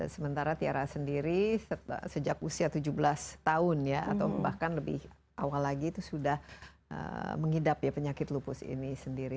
sementara tiara sendiri sejak usia tujuh belas tahun ya atau bahkan lebih awal lagi itu sudah mengidap ya penyakit lupus ini sendiri